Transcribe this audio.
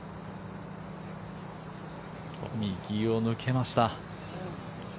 右を抜けました。